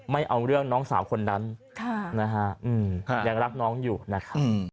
ไม่เอาเรื่องน้องสาวคนนั้นนะฮะยังรักน้องอยู่นะครับ